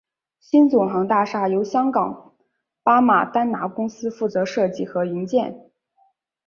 新总行大厦由香港巴马丹拿公司负责设计和营建。